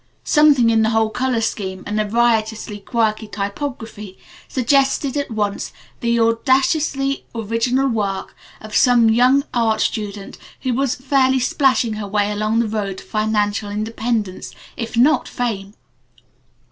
Something in the whole color scheme and the riotously quirky typography suggested at once the audaciously original work of some young art student who was fairly splashing her way along the road to financial independence, if not to fame.